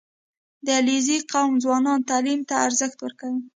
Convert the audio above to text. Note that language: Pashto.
• د علیزي قوم ځوانان تعلیم ته ارزښت ورکوي.